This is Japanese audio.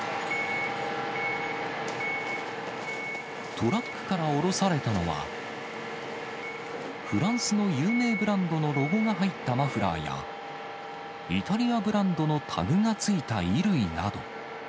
トラックから降ろされたのは、フランスの有名ブランドのロゴが入ったマフラーや、イタリアブランドのタグが付いた衣類など。